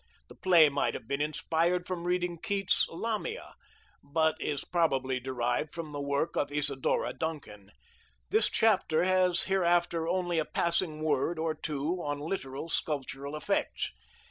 The play might have been inspired from reading Keats' Lamia, but is probably derived from the work of Isadora Duncan. This chapter has hereafter only a passing word or two on literal sculptural effects.